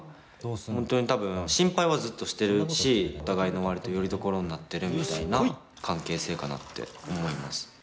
本当に多分心配はずっとしてるしお互いの割とよりどころになってるみたいな関係性かなって思います。